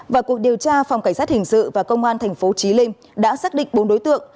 vào cuộc điều tra phòng cảnh sát hình sự và công an tp trí linh đã xác định bốn đối tượng